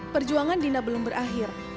perjuangan dina belum berakhir